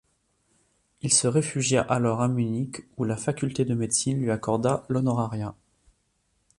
Il se réfugia alors à Munich où la Faculté de Médecine lui accorda l'honorariat.